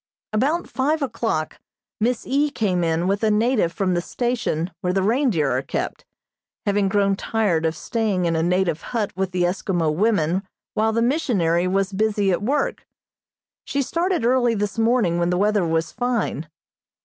About five o'clock Miss E. came in with a native from the station where the reindeer are kept, having grown tired of staying in a native hut with the Eskimo women while the missionary was busy at work. She started early this morning when the weather was fine.